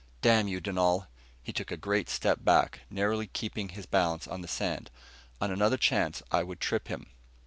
"Damn you, Dunal!" He took a great step back, narrowly keeping his balance on the sand. On another chance, I would trip him.